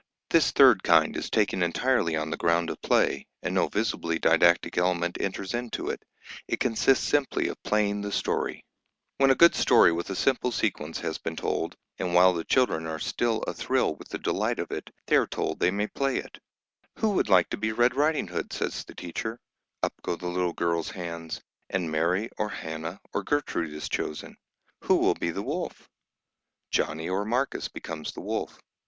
This third kind is taken entirely on the ground of play, and no visibly didactic element enters into it. It consists simply of playing the story. When a good story with a simple sequence has been told, and while the children are still athrill with the delight of it, they are told they may play it. [Illustration: THE FOX AND THE GRAPES] [Illustration: "THERE WAS AN OLD WOMAN WHO LIVED IN A SHOE"] "Who would like to be Red Riding Hood?" says the teacher; up go the little girls' hands, and Mary or Hannah or Gertrude is chosen. "Who will be the wolf?" Johnny or Marcus becomes the wolf.